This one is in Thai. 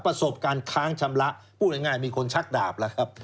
กระทั่งค้างชำระพูดง่ายมีคนชักดาบแล้วครับ